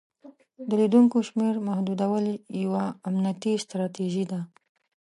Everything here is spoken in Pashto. د لیدونکو شمیر محدودول یوه امنیتي ستراتیژي ده.